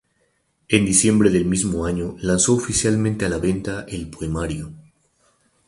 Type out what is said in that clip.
En diciembre del mismo año lanzó oficialmente a la venta el poemario.